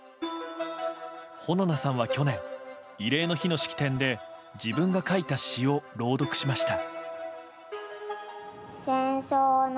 穂菜さんは去年慰霊の日の式典で自分が書いた詩を朗読しました。